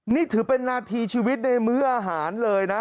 นี่ถือเป็นนาทีชีวิตในมื้ออาหารเลยนะ